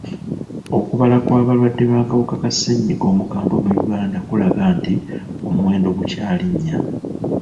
Okubala kw'abalwadde b'akawuka ka sennyiga omukambwe mu Uganda kulaga nti omuwendo gukyalinnya.